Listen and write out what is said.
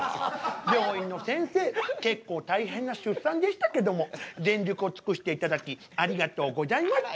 病院のせんせい結構大変な出産でしたけども全力を尽くしていただきありがとうございました。